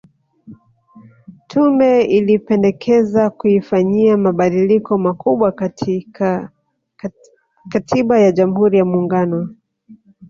Tume ilipendekeza kuifanyia mabadiliko makubwa katiba ya Jamhuri ya Muungano